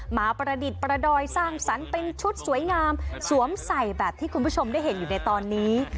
มาประดิษฐ์ประดอยสร้างสรรค์เป็นชุดสวยงามสวมใส่แบบที่คุณผู้ชมได้เห็นอยู่ในตอนนี้